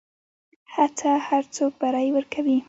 هڅه هر وخت بری ورکوي.